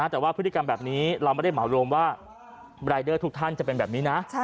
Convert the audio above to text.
แต่ว่าพฤติกรรมแบบนี้เราไม่ได้เหมารวมว่ารายเดอร์ทุกท่านจะเป็นแบบนี้นะ